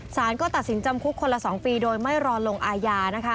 สารก็ตัดสินจำคุกคนละ๒ปีโดยไม่รอลงอาญานะคะ